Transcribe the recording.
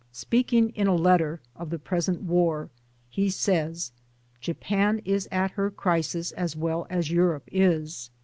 Speaking |(in a letter) of the present War, he says :" Japan is at her crisis as well as Europe is.